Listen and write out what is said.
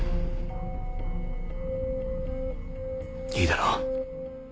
いいだろう。